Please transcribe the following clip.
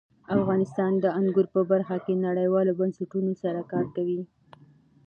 افغانستان د انګور په برخه کې نړیوالو بنسټونو سره کار کوي.